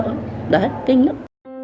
đấy kinh lắm